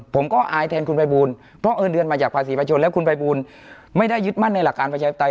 ผมก็อายแทนคุณภัยบูลเพราะเงินเดือนมาจากภาษีประชนแล้วคุณภัยบูลไม่ได้ยึดมั่นในหลักการประชาปไต